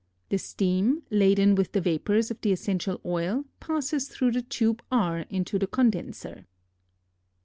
The steam laden with the vapors of the essential oil passes through the tube R into the condenser.